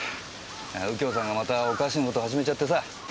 右京さんがまたおかしな事始めちゃってさ。